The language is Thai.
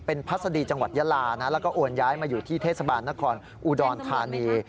เป็นพัศดีจังหวัดยาลานะแล้วก็โอนย้ายมาอยู่ที่เทศบาลนครอุดรธานี